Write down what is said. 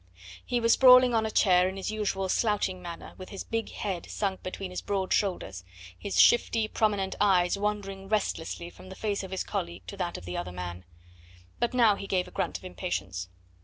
He was sprawling on a chair in his usual slouching manner with his big head sunk between his broad shoulders, his shifty, prominent eyes wandering restlessly from the face of his colleague to that of the other man. But now he gave a grunt of impatience.